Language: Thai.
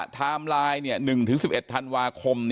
ไทม์ไลน์๑๑๑ธันวาคม